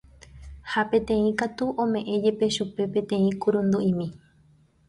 ha peteĩ katu ome'ẽ jepe chupe peteĩ kurundu'imi